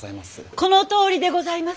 このとおりでございます。